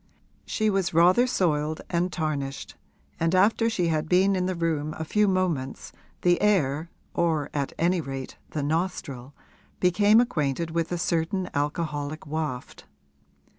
She was rather soiled and tarnished, and after she had been in the room a few moments the air, or at any rate the nostril, became acquainted with a certain alcoholic waft.